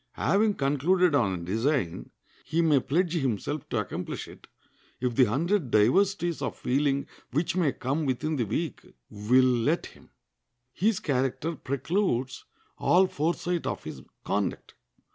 Having concluded on a design, he may pledge himself to accomplish it, if the hundred diversities of feeling which may come within the week will let him. His character precludes all foresight of his conduct.